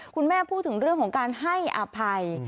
คุณแม่พูดถึงเรื่องของการให้อภัย